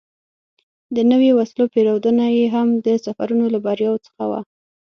د نویو وسلو پېرودنه یې هم د سفرونو له بریاوو څخه وه.